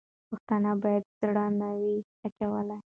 پښتانه باید زړه نه وای اچولی.